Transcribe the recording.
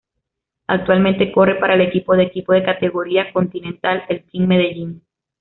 Actualmente corre para el equipo de equipo de categoría Continental el Team Medellín.